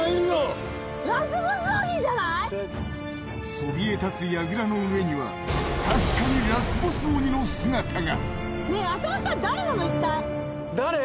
そびえ立つやぐらの上には確かにラスボス鬼の姿が。